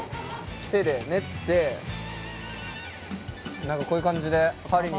手で練って何かこういう感じで。